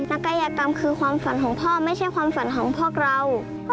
กายกรรมคือความฝันของพ่อไม่ใช่ความฝันของพวกเรา